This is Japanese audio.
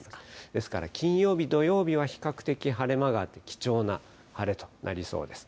ですから、金曜日、土曜日は比較的晴れ間があって貴重な晴れとなりそうです。